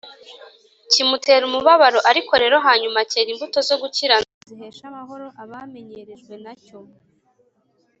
kimutera umubabaro, ariko rero hanyuma cyera imbuto zo gukiranuka zihesha amahoro abamenyerejwe na cyo.